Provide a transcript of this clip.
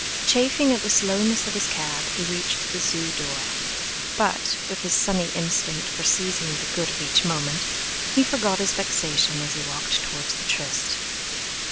Chafing at the slowness of his cab, he reached the Zoo door; but, with his sunny instinct for seizing the good of each moment, he forgot his vexation as he walked towards the tryst.